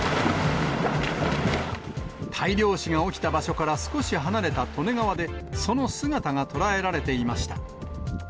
大量死が起きた場所から少し離れた利根川で、その姿が捉えられていました。